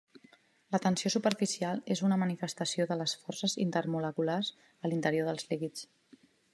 La tensió superficial és una manifestació de les forces intermoleculars a l'interior dels líquids.